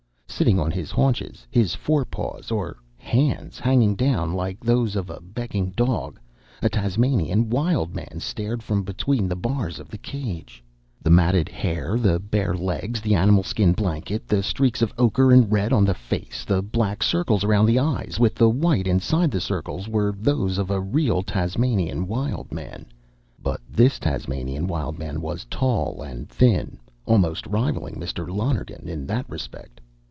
Sitting on his haunches, his fore paws, or hands, hanging down like those of a "begging" dog, a Tasmanian Wild Man stared from between the bars of the cage. The matted hair, the bare legs, the animal skin blanket, the streaks of ochre and red on the face, the black circles around the eyes with the white inside the circles, were those of a real Tasmanian Wild Man, but this Tasmanian Wild Man was tall and thin, almost rivaling Mr. Lonergan in that respect.